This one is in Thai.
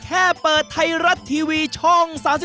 แค่เปิดไทยรัฐทีวีช่อง๓๒